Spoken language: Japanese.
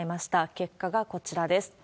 結果がこちらです。